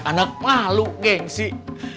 anak malu geng sih